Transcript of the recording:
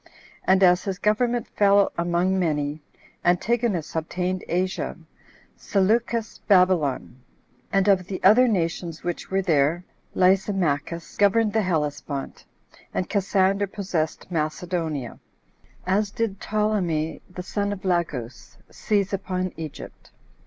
And as his government fell among many, Antigonus obtained Asia, Seleucus Babylon; and of the other nations which were there, Lysimachus governed the Hellespont, and Cassander possessed Macedonia; as did Ptolemy the son of Lagus seize upon Egypt.